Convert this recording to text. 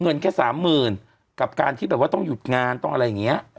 เงินแค่๓๐๐๐๐บาทกับการที่แบบว่าต้องหยุดงานต้องอะไรอย่างนี้